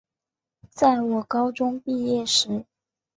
在我高中毕业时